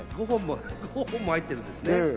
５本も入ってるんですね。